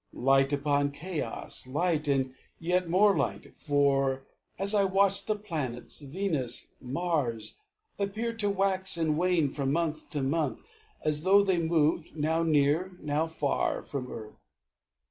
Light upon chaos, light, and yet more light; For as I watched the planets Venus, Mars, Appeared to wax and wane from month to month As though they moved, now near, now far, from earth.